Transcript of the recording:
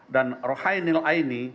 dan rohainil aini